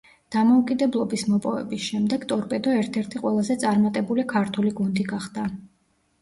დამოუკიდებლობის მოპოვების შემდეგ „ტორპედო“ ერთ-ერთი ყველაზე წარმატებული ქართული გუნდი გახდა.